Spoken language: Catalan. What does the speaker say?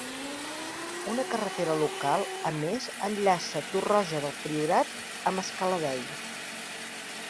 Una carretera local, a més, enllaça Torroja del Priorat amb Escaladei.